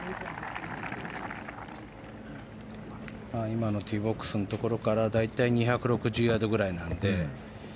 今のティーボックスのところから大体２６０ヤードぐらいなので。